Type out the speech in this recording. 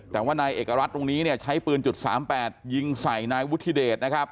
แต่ว่านายเอกรัฐตรงนี้เนี่ยใช้ปืนจุด๓๘ยิงใส่นายวุฒิเดชนะครับ